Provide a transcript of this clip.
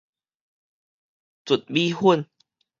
糯米粉